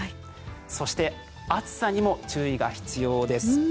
そして、暑さにも注意が必要です。